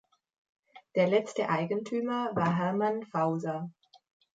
Der letzte Eigentümer war Hermann Fauser.